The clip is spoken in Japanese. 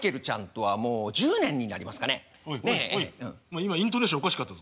今イントネーションおかしかったぞ。